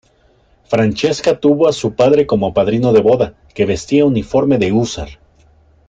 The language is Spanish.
Francesca tuvo a su padre como padrino de boda, que vestía uniforme de húsar.